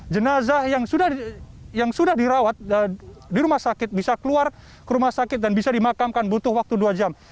jenazah yang sudah dirawat di rumah sakit bisa keluar ke rumah sakit dan bisa dimakamkan butuh waktu dua jam